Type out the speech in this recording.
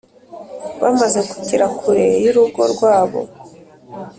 Bamaze kugera kure y urugo rwabo